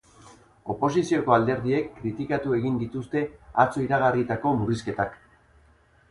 Oposizioko alderdiek kritikatu egin dituzte atzo iragarritako murrizketak.